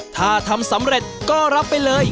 ถ้าทำสำเร็จก็รับไปเลย